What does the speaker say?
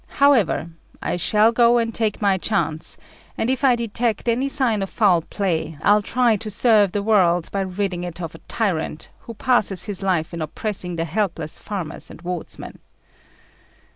However, I shall go and take my chance; and if I detect any sign of foul play, I'll try to serve the world by ridding it of a tyrant, who passes his life in oppressing the helpless farmers and wardsmen.